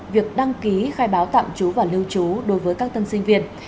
việc đăng ký khai báo tạm trú và lưu trú đối với các tân sinh viên